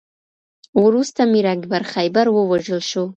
وروسته میر اکبر خیبر ووژل شو.